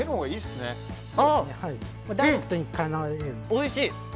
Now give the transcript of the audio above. おいしい！